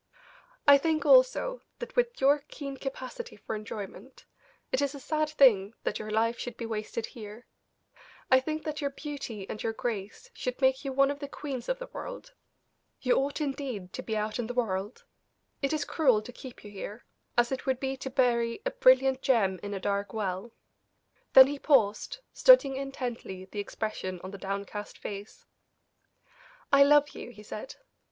I think also that, with your keen capacity for enjoyment, it is a sad thing that your life should be wasted here; I think that your beauty and your grace should make you one of the queens of the world you ought indeed to be out in the world it is cruel to keep you here, as it would be to bury a brilliant gem in a dark well." Then he paused, studying intently the expression on the downcast face. "I love you," he said.